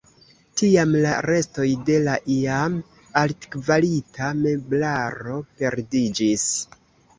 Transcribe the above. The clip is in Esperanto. Tiam la restoj de la iam altkvalita meblaro perdiĝis.